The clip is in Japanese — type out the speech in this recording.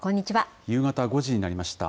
夕方５時になりました。